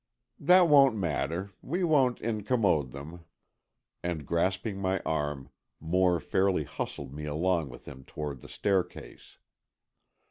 "That won't matter. We won't incommode them," and grasping my arm, Moore fairly hustled me along with him toward the staircase.